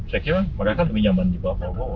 saya kira mereka lebih nyaman di bawah prabowo